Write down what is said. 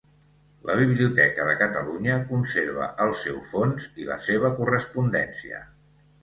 La Biblioteca de Catalunya conserva el seu fons i la seva correspondència.